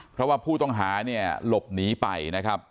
เพราะว่าผู้ต้องหาเนี่ยหลบหนีไปนะครับ